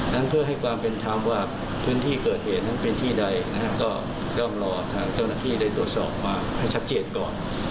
นั้นเพื่อให้ความเป็นธรรมว่าพื้นที่เกิดเหตุนั้นเป็นที่ใดนะครับก็ต้องรอทางเจ้าหน้าที่ได้ตรวจสอบมาให้ชัดเจนก่อน